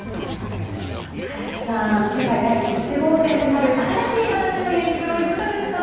唐木さん、世界第１号店となる新しい形のユニクロいかがですか。